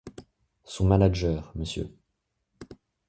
Son manager, Mr.